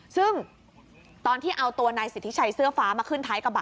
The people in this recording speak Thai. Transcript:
ซึ่งตอนที่เอาตัวนายสิทธิชัยเสื้อฟ้ามาขึ้นท้ายกระบะ